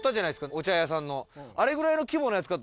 お茶屋さんの。